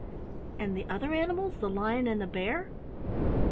"And the other animals the lion and the bear?"